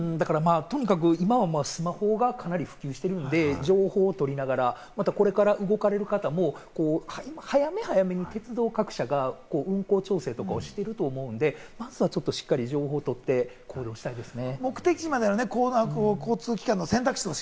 とにかく今はスマホがかなり普及してるんで情報を取りながらまたこれから動かれる方も早め早めに鉄道各社が運行調整とかをしてると思うんで、まずはちょっとしっかり情報を取って行動したいですね。